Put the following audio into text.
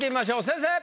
先生！